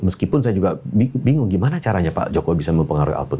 meskipun saya juga bingung gimana caranya pak jokowi bisa mempengaruhi output